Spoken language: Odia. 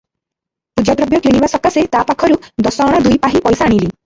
ପୂଜାଦ୍ରବ୍ୟ କିଣିବା ସକାଶେ ତା ପାଖରୁ ଦଶ ଅଣା ଦୁଇ ପାହି ପଇସା ଆଣିଲି ।